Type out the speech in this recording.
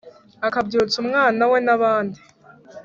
akabyutsa umwana we n'abandi